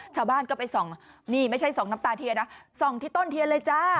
ชาวบ้านก็ไปส่องนี่ไม่ใช่ส่องน้ำตาเทียนนะส่องที่ต้นเทียนเลยจ้า